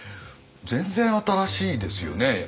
全然新しいですよね。